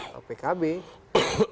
beliau merupakan representatif pkb